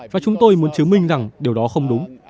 và chúng tôi muốn chứng minh rằng điều đó không đúng